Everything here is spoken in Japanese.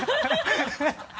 ハハハ